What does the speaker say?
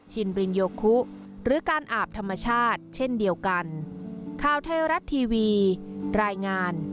รินโยคุหรือการอาบธรรมชาติเช่นเดียวกัน